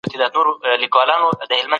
د پنبي پاکول ډير ستونزمن کار دی.